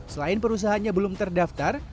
selain perusahaannya belum terdaftar